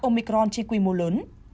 omicron trên quy mô lớn